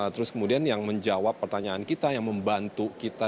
terus kemudian yang menjawab pertanyaan kita yang membantu kita